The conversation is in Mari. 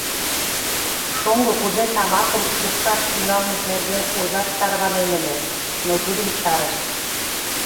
Шоҥго кузе тамакым шупшаш тӱҥалмыж нерген ойлаш тарванен ыле, но тудым чарышт.